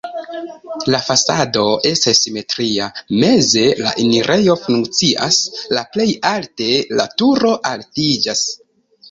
La fasado estas simetria, meze la enirejo funkcias, la plej alte la turo altiĝas.